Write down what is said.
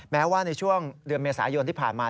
แม้ว่าในช่วงเดือนเมษายนที่ผ่านมา